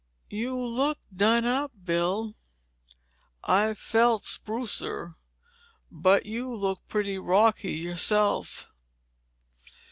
"You look done up, Bill." "I've felt sprucer. But you look pretty rocky yourself."